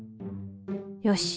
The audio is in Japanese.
よし！